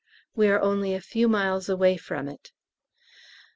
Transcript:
We are only a few miles away from it.